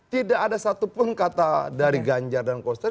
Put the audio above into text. tidak ada satupun kata dari ganjar dan koster